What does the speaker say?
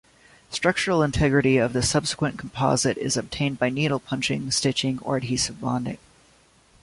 Structural integrity of the subsequent composite is obtained by needle-punching, stitching or adhesive bonding.